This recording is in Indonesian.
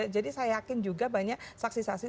jadi saya yakin juga banyak saksi saksi